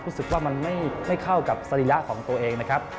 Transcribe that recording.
รู้สึกว่ามันไม่เข้ากับสรีระของตัวเองนะครับ